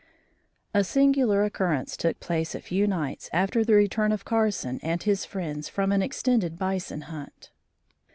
A singular occurrence took place a few nights after the return of Carson and his friends from an extended bison hunt.